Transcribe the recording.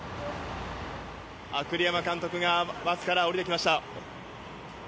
栗山監督がバスから降りてきました。